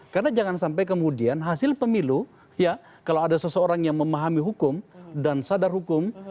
karena jangan sampai kemudian hasil pemilu ya kalau ada seseorang yang memahami hukum dan sadar hukum